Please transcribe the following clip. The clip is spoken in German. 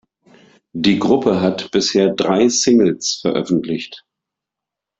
Die Gruppe hat bisher drei Singles veröffentlicht.